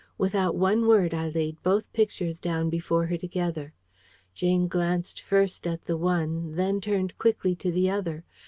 Without one word I laid both pictures down before her together. Jane glanced first at the one, then turned quickly to the other.